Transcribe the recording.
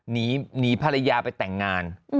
หนีภรรยาไปแต่งงาน